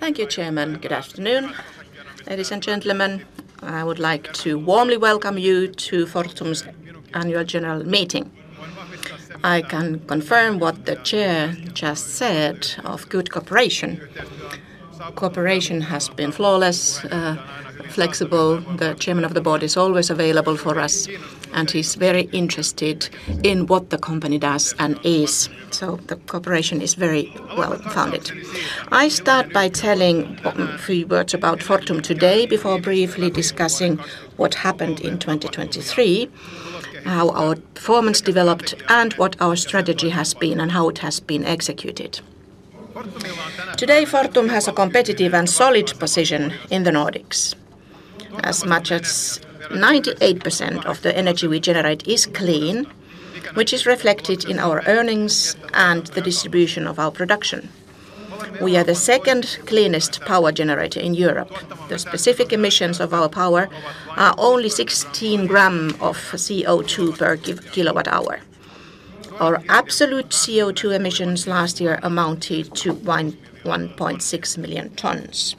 Thank you, Chairman. Good afternoon, ladies and gentlemen. I would like to warmly welcome you to Fortum's annual general meeting. I can confirm what the Chair just said of good cooperation. Cooperation has been flawless, flexible. The Chairman of the Board is always available for us, and he is very interested in what the company does and is. The cooperation is very well-founded. I start by telling a few words about Fortum today before briefly discussing what happened in 2023, how our performance developed, and what our strategy has been and how it has been executed. Today, Fortum has a competitive and solid position in the Nordics. As much as 98% of the energy we generate is clean, which is reflected in our earnings and the distribution of our production. We are the second cleanest power generator in Europe. The specific emissions of our power are only 16 g of CO2 per kWh. Our absolute CO2 emissions last year amounted to 1.6 million tons.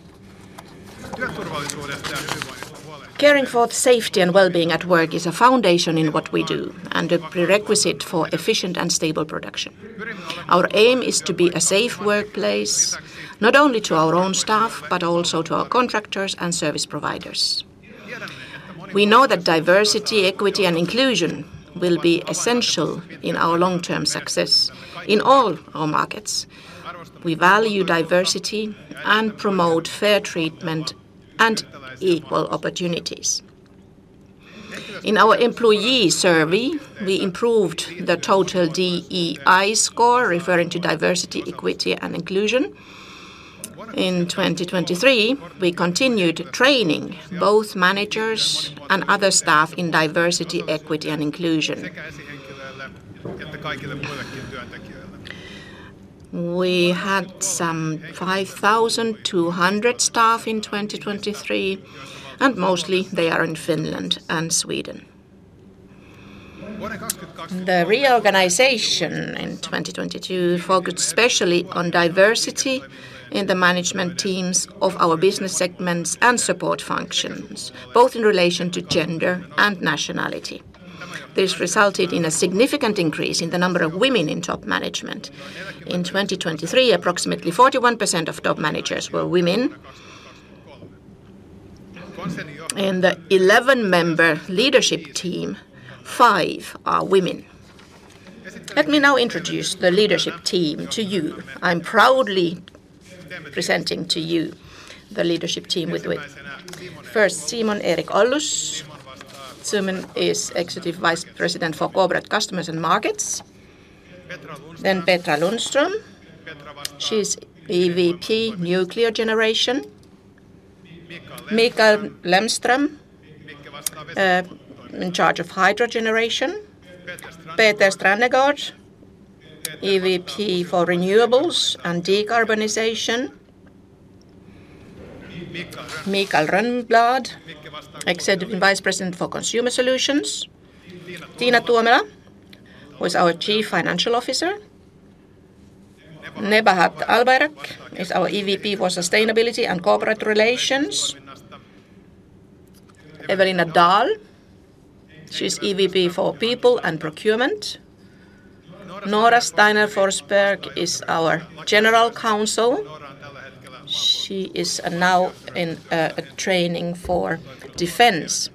Caring for the safety and well-being at work is a foundation in what we do and a prerequisite for efficient and stable production. Our aim is to be a safe workplace, not only to our own staff but also to our contractors and service providers. We know that diversity, equity, and inclusion will be essential in our long-term success in all our markets. We value diversity and promote fair treatment and equal opportunities. In our employee survey, we improved the total DEI score, referring to diversity, equity, and inclusion. In 2023, we continued training both managers and other staff in diversity, equity, and inclusion. We had some 5,200 staff in 2023, and mostly they are in Finland and Sweden. The reorganization in 2022 focused especially on diversity in the management teams of our business segments and support functions, both in relation to gender and nationality. This resulted in a significant increase in the number of women in top management. In 2023, approximately 41% of top managers were women. In the 11-member leadership team, five are women. Let me now introduce the leadership team to you. I am proudly presenting to you the leadership team with me. First, Simon-Erik Ollus. Simon is Executive Vice President for Corporate Customers and Markets. Then Petra Lundström. She is EVP Nuclear Generation. Mikael Lemström, in charge of Hydro Generation. Peter Strannegård, EVP for Renewables and Decarbonisation. Mikael Rönnblad, Executive Vice President for Consumer Solutions. Tiina Tuomela, who is our Chief Financial Officer. Nebahat Albayrak is our EVP for Sustainability and Corporate Relations. Evelina Dahl, she is EVP for People and Procurement. NoraSteiner-Forsberg is our General Counsel. She is now in training for defense.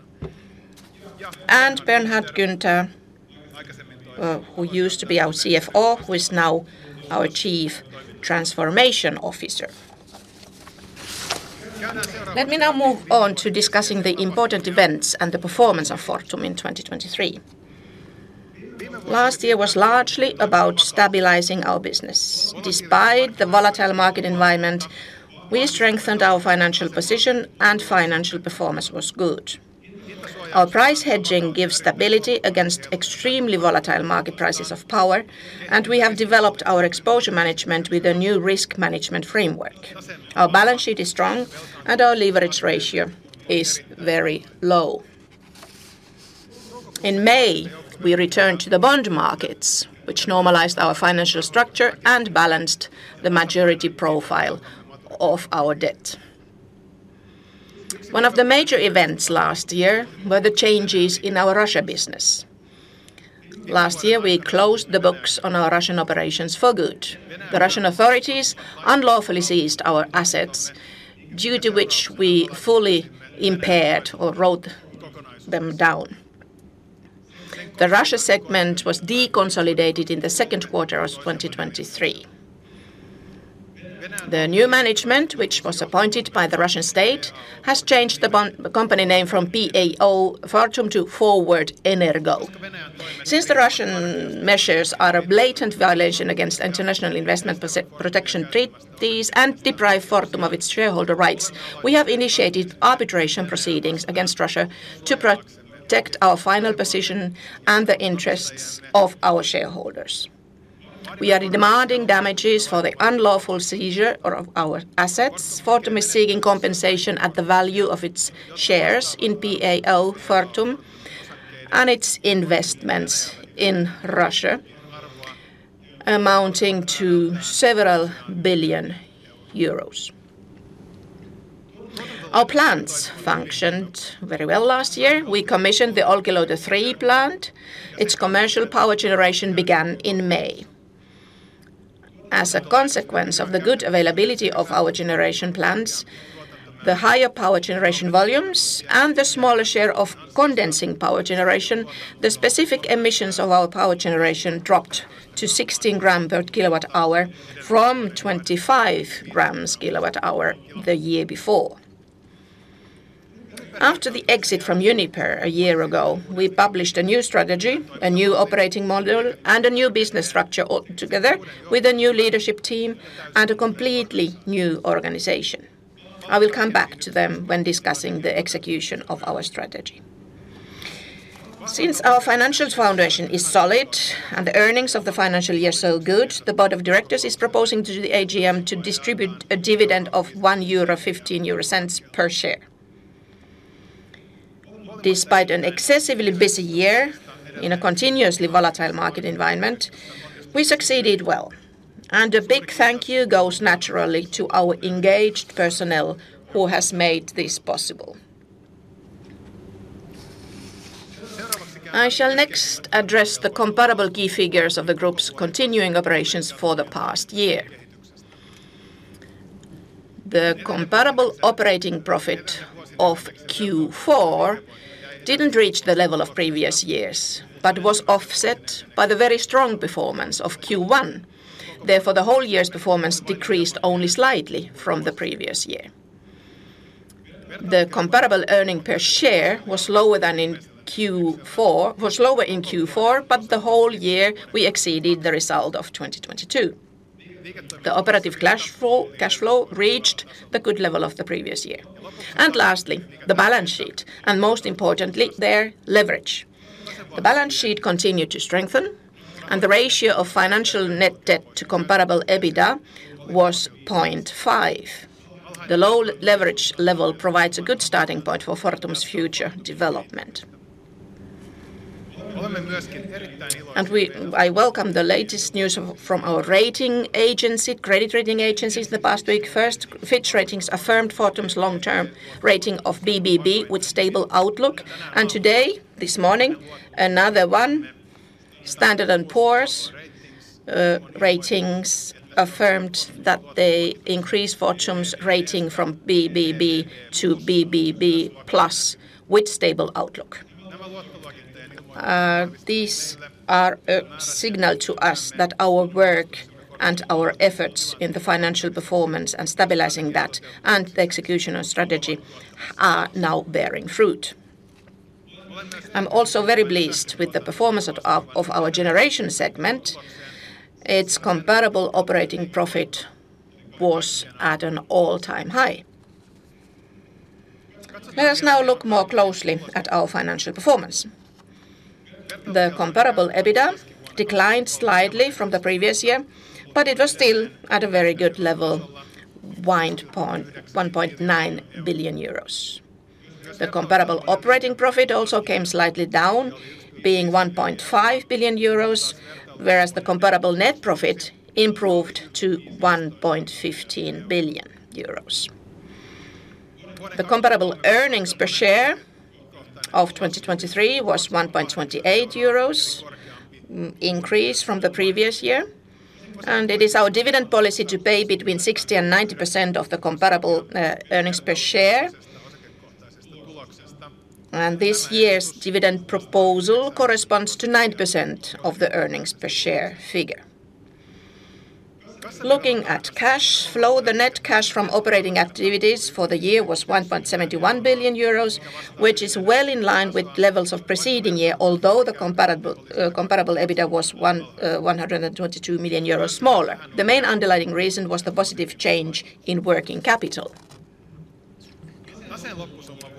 Bernhard Günther, who used to be our CFO, is now our Chief Transformation Officer. Let me now move on to discussing the important events and the performance of Fortum in 2023. Last year was largely about stabilizing our business. Despite the volatile market environment, we strengthened our financial position, and financial performance was good. Our price hedging gives stability against extremely volatile market prices of power, and we have developed our exposure management with a new risk management framework. Our balance sheet is strong, and our leverage ratio is very low. In May, we returned to the bond markets, which normalized our financial structure and balanced the maturity profile of our debt. One of the major events last year was the changes in our Russia business. Last year, we closed the books on our Russian operations for good. The Russian authorities unlawfully seized our assets, due to which we fully impaired or wrote them down. The Russia segment was deconsolidated in the second quarter of 2023. The new management, which was appointed by the Russian state, has changed the company name from PAO Fortum to Forward Energo. Since the Russian measures are a blatant violation against international investment protection treaties and deprive Fortum of its shareholder rights, we have initiated arbitration proceedings against Russia to protect our final position and the interests of our shareholders. We are demanding damages for the unlawful seizure of our assets. Fortum is seeking compensation at the value of its shares in PAO Fortum and its investments in Russia, amounting to several billion euros. Our plants functioned very well last year. We commissioned the Olkiluoto 3 plant. Its commercial power generation began in May. As a consequence of the good availability of our generation plants, the higher power generation volumes and the smaller share of condensing power generation, the specific emissions of our power generation dropped to 16 grams per kWh from 25 grams kWh the year before. After the exit from Uniper a year ago, we published a new strategy, a new operating model, and a new business structure together with a new leadership team and a completely new organization. I will come back to them when discussing the execution of our strategy. Since our financial foundation is solid and the earnings of the financial year are so good, the Board of Directors is proposing to the AGM to distribute a dividend of 1.15 euro per share. Despite an excessively busy year in a continuously volatile market environment, we succeeded well. A big thank you goes naturally to our engaged personnel who have made this possible. I shall next address the comparable key figures of the group's continuing operations for the past year. The comparable operating profit of Q4 didn't reach the level of previous years, but was offset by the very strong performance of Q1. Therefore, the whole year's performance decreased only slightly from the previous year. The comparable earnings per share was lower than in Q4, but for the whole year we exceeded the result of 2022. The operative cash flow reached the good level of the previous year. Lastly, the balance sheet, and most importantly, the leverage. The balance sheet continued to strengthen, and the ratio of financial net debt to comparable EBITDA was [0.5x] The low leverage level provides a good starting point for Fortum's future development. I welcome the latest news from our credit rating agencies in the past week. First, Fitch affirmed Fortum's long-term rating of BBB with stable outlook. Today, this morning, another one, Standard and Poor's affirmed that they increased Fortum's rating from BBB to BBB+ with stable outlook. These are a signal to us that our work and our efforts in the financial performance and stabilizing that and the execution of strategy are now bearing fruit. I am also very pleased with the performance of our generation segment. Its comparable operating profit was at an all-time high. Let us now look more closely at our financial performance. The comparable EBITDA declined slightly from the previous year, but it was still at a very good level, 1.9 billion euros. The comparable operating profit also came slightly down, being 1.5 billion euros, whereas the comparable net profit improved to 1.15 billion euros. The comparable earnings per share of 2023 was 1.28 euros, an increase from the previous year. It is our dividend policy to pay between 60% and 90% of the comparable earnings per share. This year's dividend proposal corresponds to 90% of the earnings per share figure. Looking at cash flow, the net cash from operating activities for the year was 1.71 billion euros, which is well in line with levels of the preceding year, although the comparable EBITDA was 122 million euros smaller. The main underlying reason was the positive change in working capital.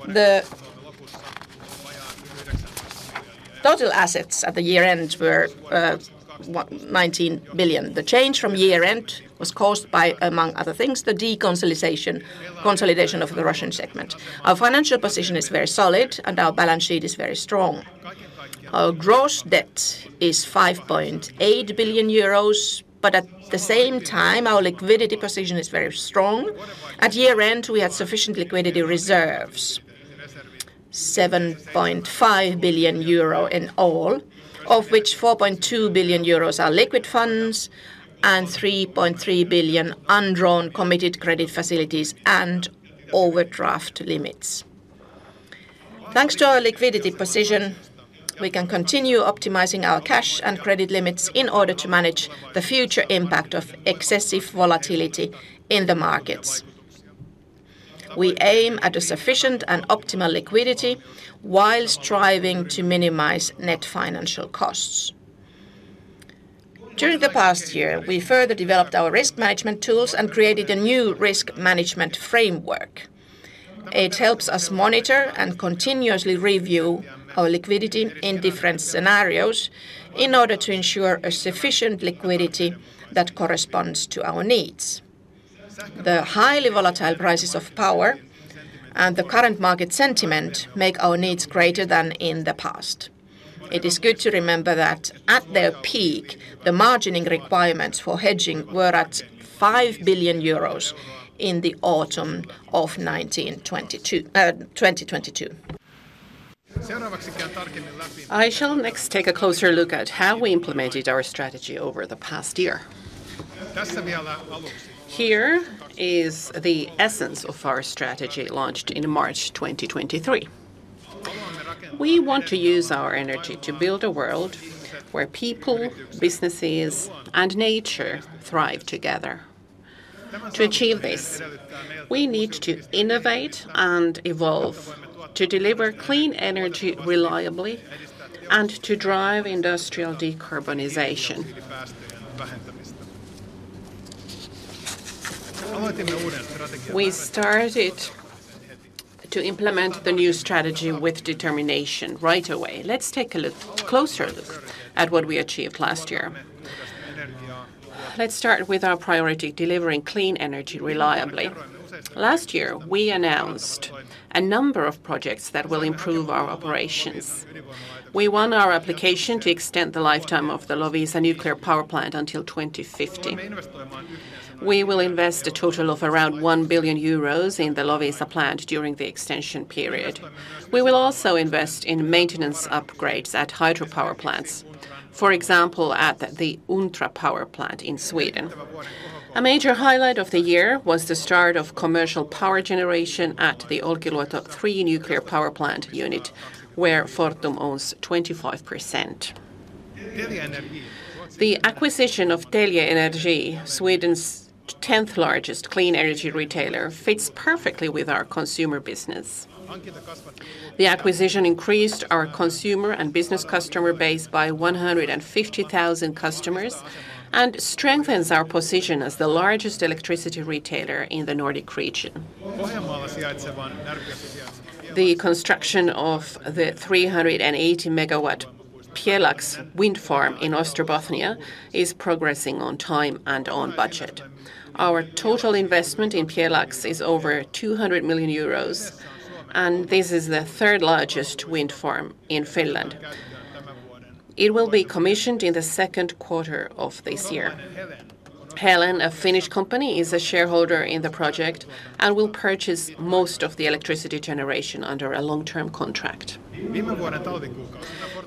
The total assets at the year-end were 19 billion. The change from year-end was caused by, among other things, the deconsolidation of the Russian segment. Our financial position is very solid, and our balance sheet is very strong. Our gross debt is 5.8 billion euros, but at the same time, our liquidity position is very strong. At year-end, we had sufficient liquidity reserves, 7.5 billion euro in all, of which 4.2 billion euros are liquid funds and 3.3 billion undrawn committed credit facilities and overdraft limits. Thanks to our liquidity position, we can continue optimizing our cash and credit limits in order to manage the future impact of excessive volatility in the markets. We aim at a sufficient and optimal liquidity while striving to minimize net financial costs. During the past year, we further developed our risk management tools and created a new risk management framework. It helps us monitor and continuously review our liquidity in different scenarios in order to ensure a sufficient liquidity that corresponds to our needs. The highly volatile prices of power and the current market sentiment make our needs greater than in the past. It is good to remember that at their peak, the margining requirements for hedging were at 5 billion euros in the autumn of 2022. I shall next take a closer look at how we implemented our strategy over the past year. Here is the essence of our strategy launched in March 2023. We want to use our energy to build a world where people, businesses, and nature thrive together. To achieve this, we need to innovate and evolve to deliver clean energy reliably and to drive industrial decarbonization. We started to implement the new strategy with determination right away. Let's take a closer look at what we achieved last year. Let's start with our priority: delivering clean energy reliably. Last year, we announced a number of projects that will improve our operations. We won our application to extend the lifetime of the Loviisa nuclear power plant until 2050. We will invest a total of around 1 billion euros in the Loviisa plant during the extension period. We will also invest in maintenance upgrades at hydropower plants, for example, at the Untra power plant in Sweden. A major highlight of the year was the start of commercial power generation at the Olkiluoto 3 nuclear power plant unit, where Fortum owns 25%. The acquisition of Telge Energi, Sweden's 10th largest clean energy retailer, fits perfectly with our consumer business. The acquisition increased our consumer and business customer base by 150,000 customers and strengthens our position as the largest electricity retailer in the Nordic region. The construction of the 380 MW Pjelax wind farm in Ostrobothnia is progressing on time and on budget. Our total investment in Pjelax is over 200 million euros, and this is the third largest wind farm in Finland. It will be commissioned in the second quarter of this year. Helen, a Finnish company, is a shareholder in the project and will purchase most of the electricity generation under a long-term contract.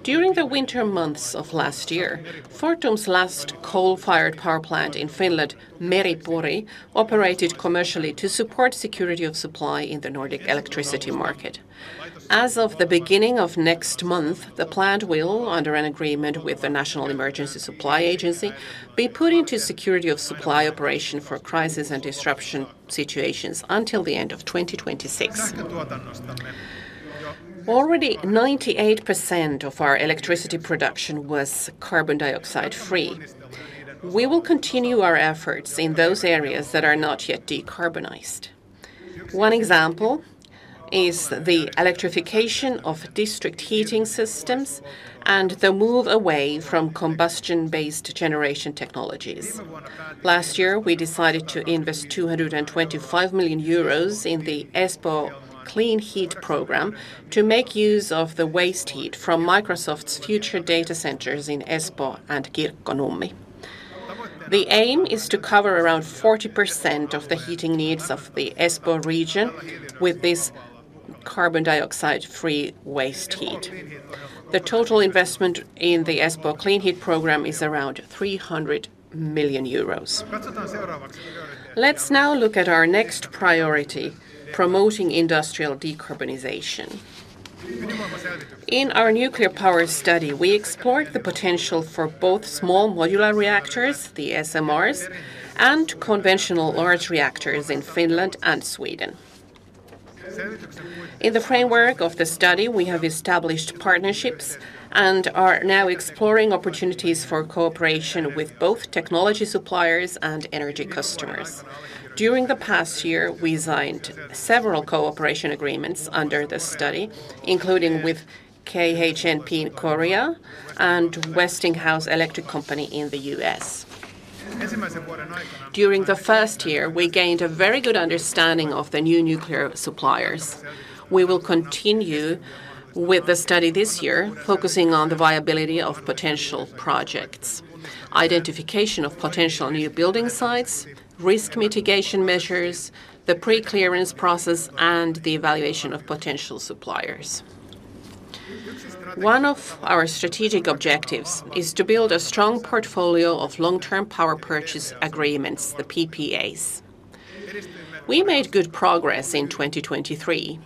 During the winter months of last year, Fortum's last coal-fired power plant in Finland, Meri-Pori, operated commercially to support security of supply in the Nordic electricity market. As of the beginning of next month, the plant will, under an agreement with the National Emergency Supply Agency, be put into security of supply operation for crisis and disruption situations until the end of 2026. Already 98% of our electricity production was carbon dioxide-free. We will continue our efforts in those areas that are not yet decarbonized. One example is the electrification of district heating systems and the move away from combustion-based generation technologies. Last year, we decided to invest 225 million euros in the Espoo Clean Heat Program to make use of the waste heat from Microsoft's future data centers in Espoo and Kirkkonummi. The aim is to cover around 40% of the heating needs of the Espoo region with this carbon dioxide-free waste heat. The total investment in the Espoo Clean Heat Program is around 300 million euros. Let's now look at our next priority: promoting industrial decarbonization. In our nuclear power study, we explored the potential for both small modular reactors, the SMRs, and conventional large reactors in Finland and Sweden. In the framework of the study, we have established partnerships and are now exploring opportunities for cooperation with both technology suppliers and energy customers. During the past year, we signed several cooperation agreements under the study, including with KHNP in Korea and Westinghouse Electric Company in the U.S. During the first year, we gained a very good understanding of the new nuclear suppliers. We will continue with the study this year, focusing on the viability of potential projects, identification of potential new building sites, risk mitigation measures, the pre-clearance process, and the evaluation of potential suppliers. One of our strategic objectives is to build a strong portfolio of long-term power purchase agreements, the PPAs. We made good progress in 2023,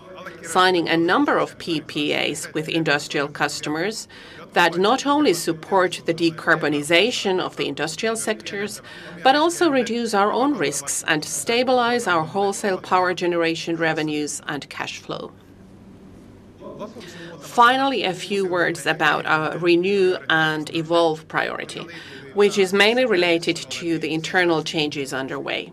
signing a number of PPAs with industrial customers that not only support the decarbonization of the industrial sectors but also reduce our own risks and stabilize our wholesale power generation revenues and cash flow. Finally, a few words about our renew and evolve priority, which is mainly related to the internal changes underway.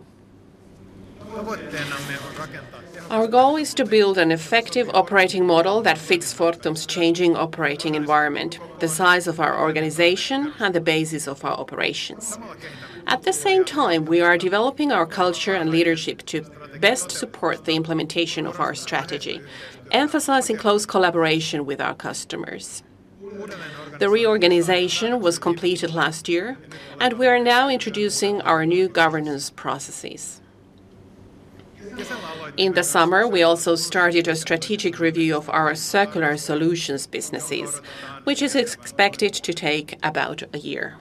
Our goal is to build an effective operating model that fits Fortum's changing operating environment, the size of our organization, and the basis of our operations. At the same time, we are developing our culture and leadership to best support the implementation of our strategy, emphasizing close collaboration with our customers. The reorganization was completed last year, and we are now introducing our new governance processes. In the summer, we also started a strategic review of our circular solutions businesses, which is expected to take about a year.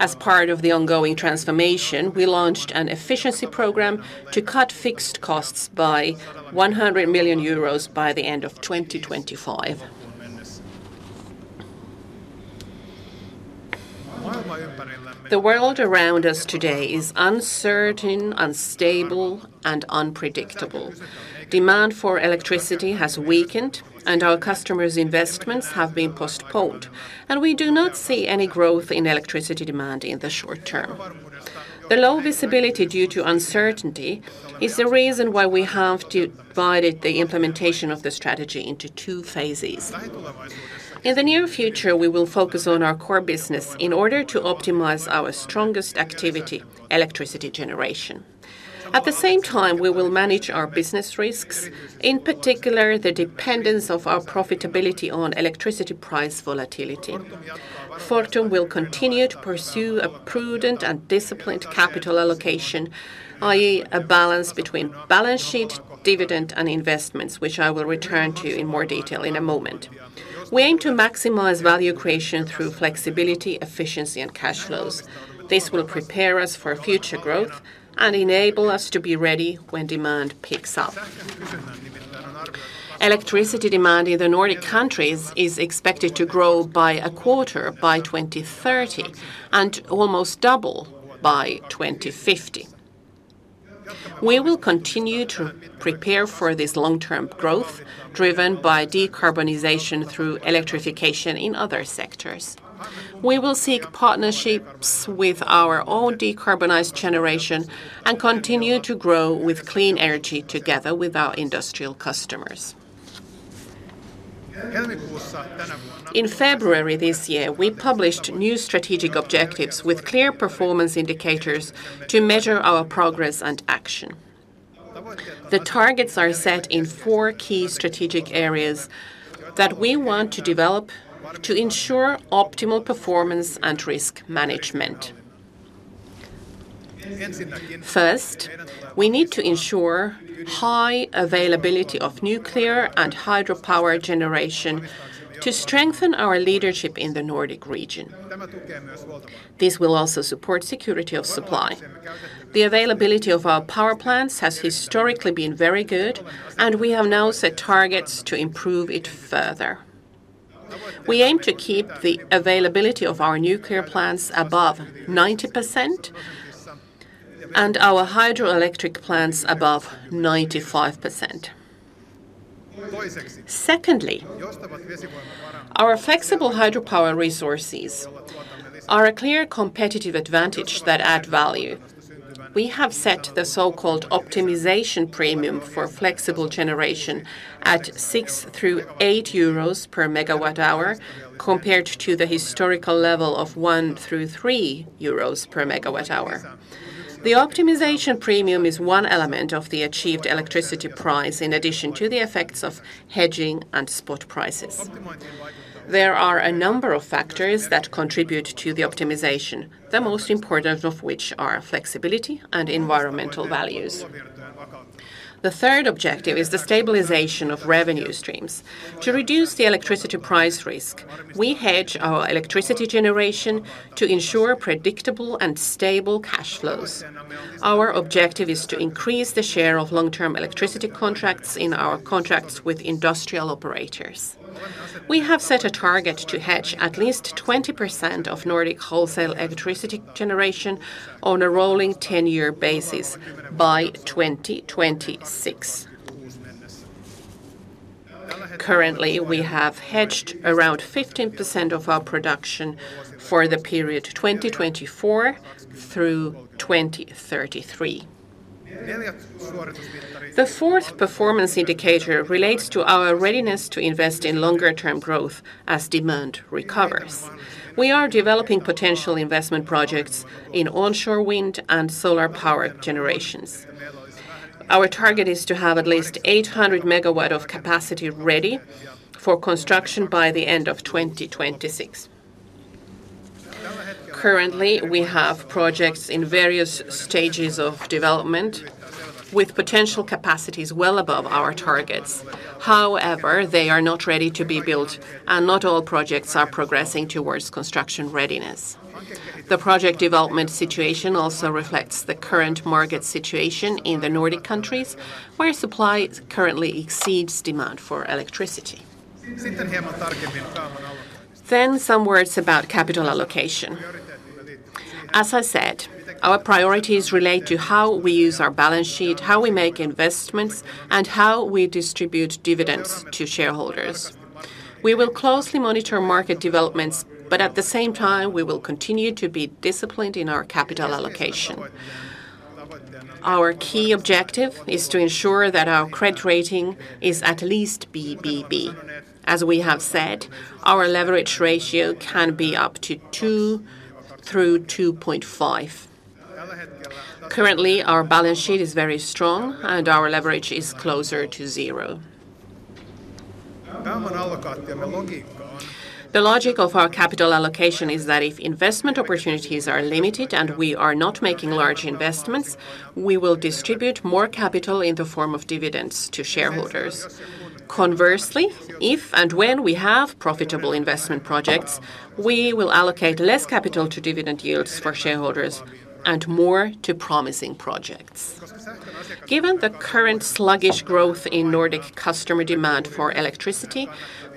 As part of the ongoing transformation, we launched an efficiency program to cut fixed costs by 100 million euros by the end of 2025. The world around us today is uncertain, unstable, and unpredictable. Demand for electricity has weakened, and our customers' investments have been postponed, and we do not see any growth in electricity demand in the short term. The low visibility due to uncertainty is the reason why we have divided the implementation of the strategy into two phases. In the near future, we will focus on our core business in order to optimize our strongest activity, electricity generation. At the same time, we will manage our business risks, in particular the dependence of our profitability on electricity price volatility. Fortum will continue to pursue a prudent and disciplined capital allocation, i.e., a balance between balance sheet, dividend, and investments, which I will return to in more detail in a moment. We aim to maximize value creation through flexibility, efficiency, and cash flows. This will prepare us for future growth and enable us to be ready when demand picks up. Electricity demand in the Nordic countries is expected to grow by a quarter by 2030 and almost double by 2050. We will continue to prepare for this long-term growth, driven by decarbonization through electrification in other sectors. We will seek partnerships with our own decarbonized generation and continue to grow with clean energy together with our industrial customers. In February this year, we published new strategic objectives with clear performance indicators to measure our progress and action. The targets are set in four key strategic areas that we want to develop to ensure optimal performance and risk management. First, we need to ensure high availability of nuclear and hydropower generation to strengthen our leadership in the Nordic region. This will also support security of supply. The availability of our power plants has historically been very good, and we have now set targets to improve it further. We aim to keep the availability of our nuclear plants above 90% and our hydroelectric plants above 95%. Secondly, our flexible hydropower resources are a clear competitive advantage that add value. We have set the so-called optimization premium for flexible generation at 6 through 8 euros per MWh compared to the historical level of 1 through 3 euros per MWh. The optimization premium is one element of the achieved electricity price in addition to the effects of hedging and spot prices. There are a number of factors that contribute to the optimization, the most important of which are flexibility and environmental values. The third objective is the stabilization of revenue streams. To reduce the electricity price risk, we hedge our electricity generation to ensure predictable and stable cash flows. Our objective is to increase the share of long-term electricity contracts in our contracts with industrial operators. We have set a target to hedge at least 20% of Nordic wholesale electricity generation on a rolling 10-year basis by 2026. Currently, we have hedged around 15% of our production for the period 2024 through 2033. The fourth performance indicator relates to our readiness to invest in longer-term growth as demand recovers. We are developing potential investment projects in onshore wind and solar-powered generations. Our target is to have at least 800 MW of capacity ready for construction by the end of 2026. Currently, we have projects in various stages of development with potential capacities well above our targets. However, they are not ready to be built, and not all projects are progressing towards construction readiness. The project development situation also reflects the current market situation in the Nordic countries, where supply currently exceeds demand for electricity. Some words about capital allocation. As I said, our priorities relate to how we use our balance sheet, how we make investments, and how we distribute dividends to shareholders. We will closely monitor market developments, but at the same time, we will continue to be disciplined in our capital allocation. Our key objective is to ensure that our credit rating is at least BBB. As we have said, our leverage ratio can be up to 2x through 2.5x. Currently, our balance sheet is very strong, and our leverage is closer to zero. The logic of our capital allocation is that if investment opportunities are limited and we are not making large investments, we will distribute more capital in the form of dividends to shareholders. Conversely, if and when we have profitable investment projects, we will allocate less capital to dividend yields for shareholders and more to promising projects. Given the current sluggish growth in Nordic customer demand for electricity,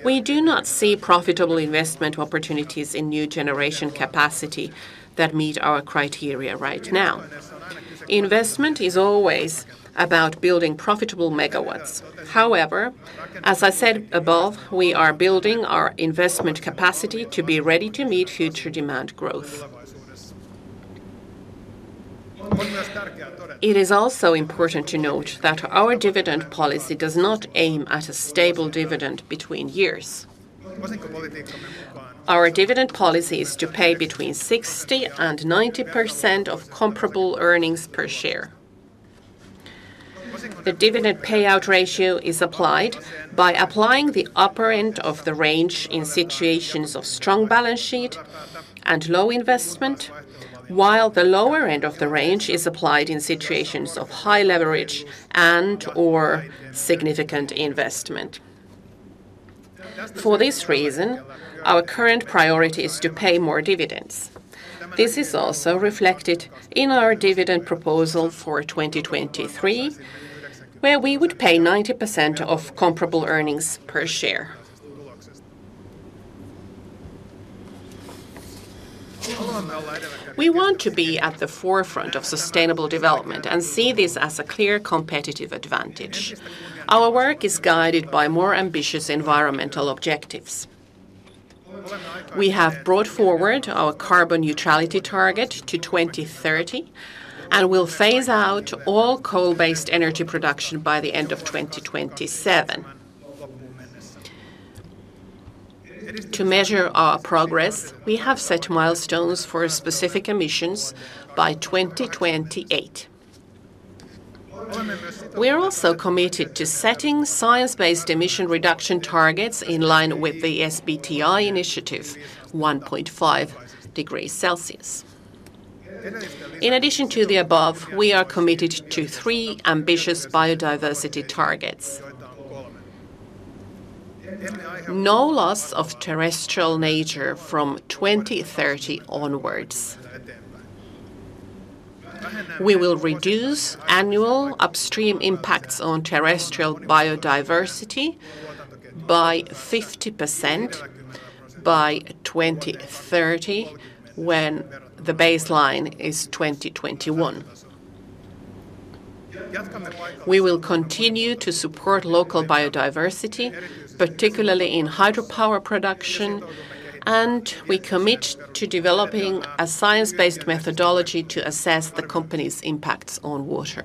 we do not see profitable investment opportunities in new generation capacity that meet our criteria right now. Investment is always about building profitable megawatts. However, as I said above, we are building our investment capacity to be ready to meet future demand growth. It is also important to note that our dividend policy does not aim at a stable dividend between years. Our dividend policy is to pay between 60% and 90% of comparable earnings per share. The dividend payout ratio is applied by applying the upper end of the range in situations of strong balance sheet and low investment, while the lower end of the range is applied in situations of high leverage and/or significant investment. For this reason, our current priority is to pay more dividends. This is also reflected in our dividend proposal for 2023, where we would pay 90% of comparable earnings per share. We want to be at the forefront of sustainable development and see this as a clear competitive advantage. Our work is guided by more ambitious environmental objectives. We have brought forward our carbon neutrality target to 2030 and will phase out all coal-based energy production by the end of 2027. To measure our progress, we have set milestones for specific emissions by 2028. We are also committed to setting science-based emission reduction targets in line with the SBTI initiative: 1.5 degrees Celsius. In addition to the above, we are committed to three ambitious biodiversity targets: no loss of terrestrial nature from 2030 onwards. We will reduce annual upstream impacts on terrestrial biodiversity by 50% by 2030 when the baseline is 2021. We will continue to support local biodiversity, particularly in hydropower production, and we commit to developing a science-based methodology to assess the company's impacts on water.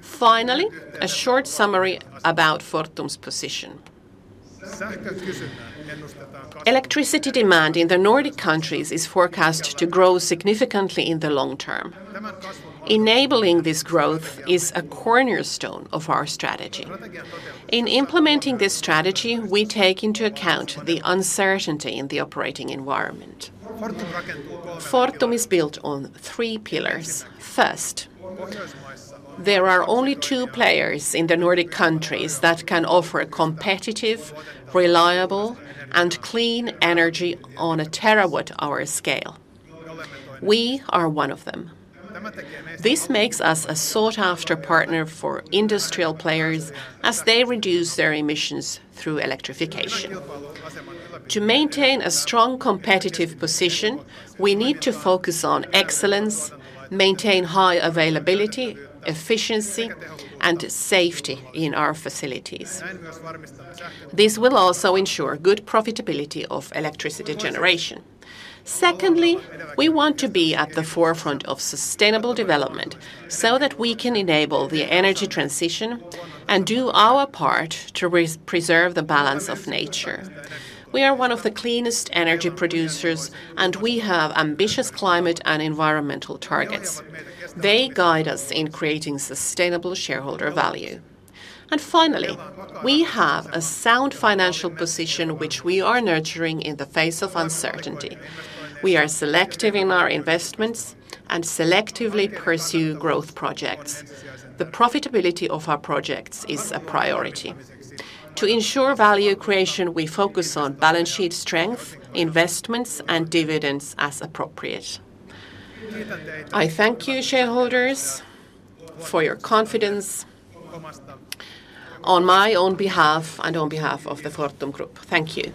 Finally, a short summary about Fortum's position. Electricity demand in the Nordic countries is forecast to grow significantly in the long term. Enabling this growth is a cornerstone of our strategy. In implementing this strategy, we take into account the uncertainty in the operating environment. Fortum is built on three pillars. First, there are only two players in the Nordic countries that can offer competitive, reliable, and clean energy on a terawatt-hour scale. We are one of them. This makes us a sought-after partner for industrial players as they reduce their emissions through electrification. To maintain a strong competitive position, we need to focus on excellence, maintain high availability, efficiency, and safety in our facilities. This will also ensure good profitability of electricity generation. Secondly, we want to be at the forefront of sustainable development so that we can enable the energy transition and do our part to preserve the balance of nature. We are one of the cleanest energy producers, and we have ambitious climate and environmental targets. They guide us in creating sustainable shareholder value. Finally, we have a sound financial position which we are nurturing in the face of uncertainty. We are selective in our investments and selectively pursue growth projects. The profitability of our projects is a priority. To ensure value creation, we focus on balance sheet strength, investments, and dividends as appropriate. I thank you, shareholders, for your confidence on my own behalf and on behalf of the Fortum Group. Thank you.